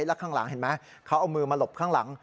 แล้วข้างหลังเห็นไหมเขาเอามือมาหลบข้างหลัง